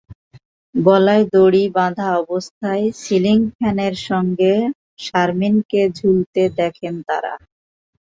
গলায় দড়ি বাঁধা অবস্থায় সিলিং ফ্যানের সঙ্গে শারমিনকে ঝুলতে দেখেন তাঁরা।